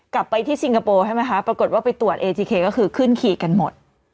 กลับไปที่สิงคโปร์ใช่ไหมคะปรากฏว่าไปตรวจเอทีเคก็คือขึ้นขี่กันหมด